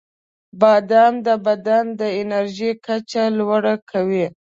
• بادام د بدن د انرژۍ کچه لوړه کوي.